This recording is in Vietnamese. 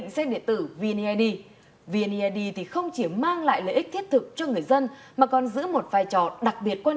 xin kính chào quý vị và các bạn